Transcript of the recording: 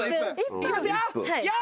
いきますよ！